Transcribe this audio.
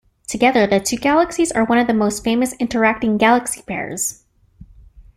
Together, the two galaxies are one of the most famous interacting galaxy pairs.